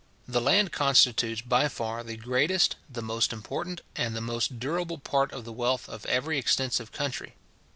The land constitutes by far the greatest, the most important, and the most durable part of the wealth of every extensive country.